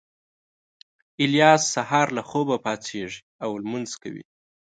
الیاس سهار له خوبه پاڅېږي او لمونځ کوي